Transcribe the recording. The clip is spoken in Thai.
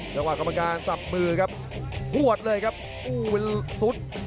จังหวะกรรมการสับมือครับหววดเลยครับสุด